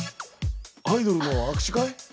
アイドルの握手会？